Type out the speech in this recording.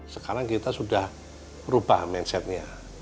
sekarang kita sudah rubah mindsetnya